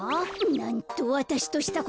なんとわたしとしたことが。